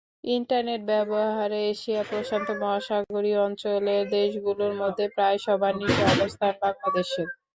Internet ব্যবহারে এশিয়া-প্রশান্ত মহাসাগরীয় অঞ্চলের দেশগুলোর মধ্যে প্রায় সবার নিচে অবস্থান বাংলাদেশের।